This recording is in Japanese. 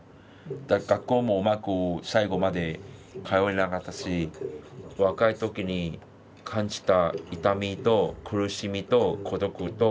だから学校もうまく最後まで通えなかったし若い時に感じた痛みと苦しみと孤独と。